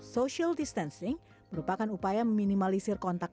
social distancing merupakan upaya meminimalisir kontak